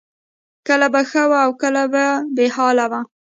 کله به ښه وه او کله به بې حاله وه